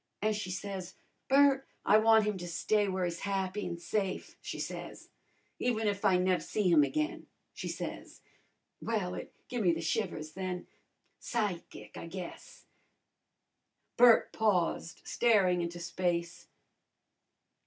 An' she says, 'Bert, I wan' him to stay w'ere he's happy an' safe,' she says. 'Even if I nev' see him again,' she says. Well, it give me the shivers then. Psychic, I guess." Bert paused, staring into space.